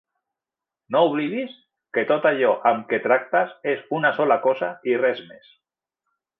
No oblidis que tot allò amb què tractes és una sola cosa i res més.